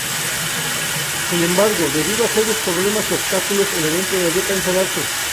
Sin embargo, debido a serios problemas y obstáculos el evento debió cancelarse.